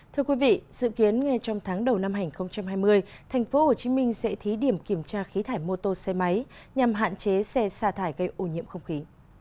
thưa quý vị dự kiến ngay trong tháng đầu năm hai nghìn hai mươi tp hcm sẽ thí điểm kiểm tra khí thải mô tô xe máy nhằm hạn chế xe xa thải gây ô nhiễm không khí